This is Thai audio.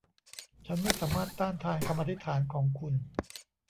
ฉันไม่สามารถต้านทานคำอธิษฐานของคุณ